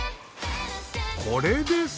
これです。